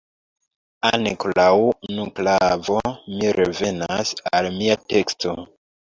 Ankoraŭ unu klavo – mi revenas al mia teksto.